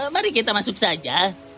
mari kita masuk saja